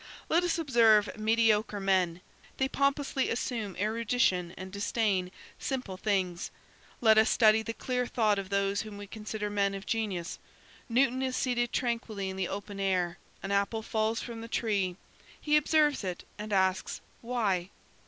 Let us observe mediocre men; they pompously assume erudition and disdain simple things. Let us study the clear thought of those whom we consider men of genius. Newton is seated tranquilly in the open air; an apple falls from the tree, he observes it and asks, "Why?"